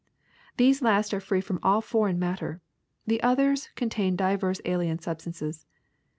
These last are free from all foreign matter; the others contain divers alien substances.